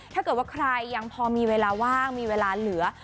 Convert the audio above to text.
ถ้าเกิดว่าใครยังพอมีเวลาว่างมีเวลาเหลือ